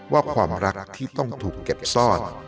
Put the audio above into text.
ว่าความรักที่ต้องถูกเก็บซ่อน